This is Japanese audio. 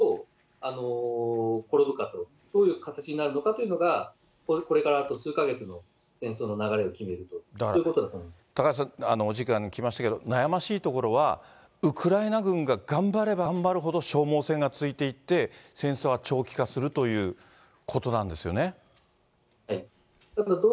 ですから、この戦闘がどう転ぶかという、どういう形になるのかということが、これからあと数か月の戦争の流れを決めると、高橋さん、お時間来ましたけど、悩ましいところは、ウクライナ軍が頑張れば頑張るほど消耗戦が続いていって、戦争は長期化するということなんですよね。